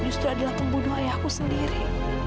justru adalah pembunuh ayahku sendiri